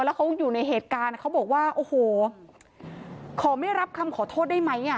แล้วเขาอยู่ในเหตุการณ์เขาบอกว่าโอ้โหขอไม่รับคำขอโทษได้ไหมอ่ะ